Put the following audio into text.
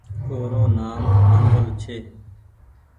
او رو منگل ڇي